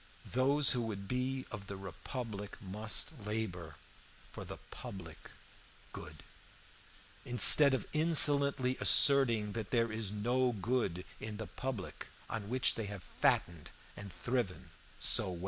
Those who would be of the republic must labor for the public good, instead of insolently asserting that there is no good in the public on which they have fattened and thriven so well.